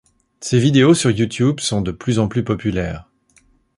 Ses vidéos sur YouTube sont de plus en plus populaires.